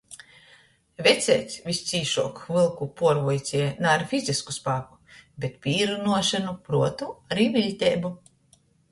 Veceits vyscieškuok Vylku puorvuicēja na ar fizisku spāku, bet pīrunuošonu, pruotu, ari viļteibu.